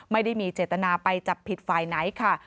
ไม่ได้มีเจตนาไปจับผิดฝ่ายไหนค่ะ